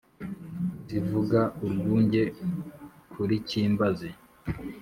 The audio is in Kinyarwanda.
zivuga urwunge kuri cyimbazi